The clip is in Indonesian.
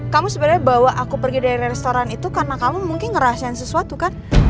kamu sebenarnya bawa aku pergi dari restoran itu karena kamu mungkin ngerahasiain sesuatu kan